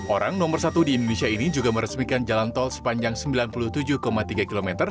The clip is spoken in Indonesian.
orang nomor satu di indonesia ini juga meresmikan jalan tol sepanjang sembilan puluh tujuh tiga km